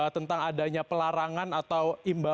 tentang adanya pelarangan atau imbauan dari kesehatan